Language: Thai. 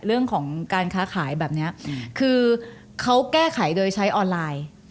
เรื่องของการค้าขายแบบนี้คือเขาแก้ไขโดยใช้ออนไลน์